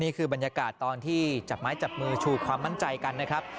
นี่คือบรรยากาศตอนที่จับไม้จับมือชูความมั่นใจกันนะครับ